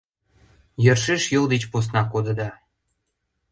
— Йӧршеш йол деч посна кодыда!